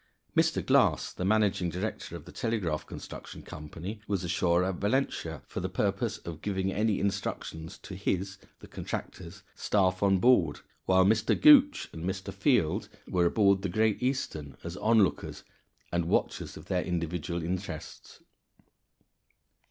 Mr. Glass, the managing director of the Telegraph Construction Company, was ashore at Valentia for the purpose of giving any instructions to his (the contractor's) staff on board, while Mr. Gooch and Mr. Field were aboard the Great Eastern as onlookers and watchers of their individual interests.